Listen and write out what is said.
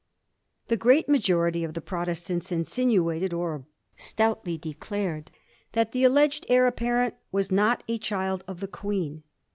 The great majority of the Protestants insinuated, or stoutly declared, that the alleged heir apparent was not a child of the Queen.